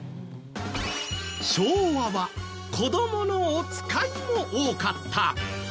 昭和は子供のおつかいも多かった。